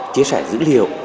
chia sẻ dữ liệu